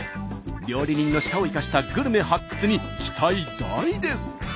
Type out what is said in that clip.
料理人の舌を生かしたグルメ発掘に期待大です！